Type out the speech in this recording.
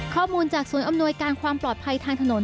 ข้อมูลจากศูนย์อำนวยการความปลอดภัยทางถนน